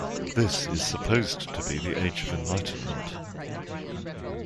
This is supposed to be the age of enlightenment.